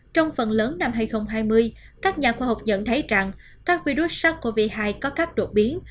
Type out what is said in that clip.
trong phần lớn năm hai nghìn hai mươi các nhà khoa học nhận thấy rằng các virus sars cov hai có các đột biến